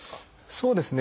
そうですね。